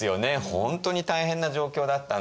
本当に大変な状況だったんです。